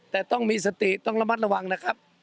แต่ต้องมีสติต้องระมัดระวังนะครับ